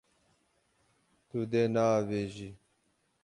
Tu dê neavêjî.